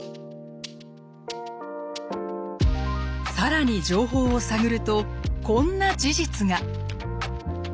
更に情報を探るとこんな事実が。